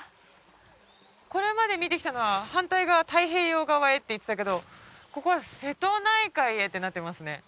これまで見てきたのは反対側太平洋側へっていってたけどここは「瀬戸内海へ」ってなってますね